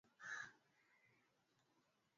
shilingi mia mbili themanini na tisa za Tanzania